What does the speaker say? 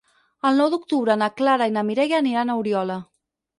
El nou d'octubre na Clara i na Mireia aniran a Oriola.